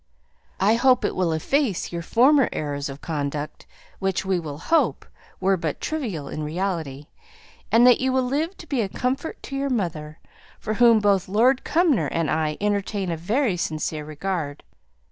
I hope it will efface your former errors of conduct which, we will hope, were but trivial in reality and that you will live to be a comfort to your mother, for whom both Lord Cumnor and I entertain a very sincere regard.